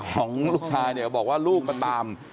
ของลูกชายเนี่ยบอกว่าลูกมาตาม